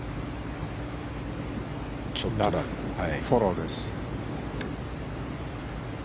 フォローです。